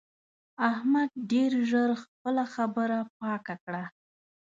احمد ډېر ژر خپله خبره پاکه کړه.